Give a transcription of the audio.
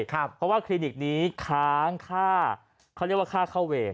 เพราะว่าคลินิกนี้ค้างค่าเขาเรียกว่าค่าเข้าเวร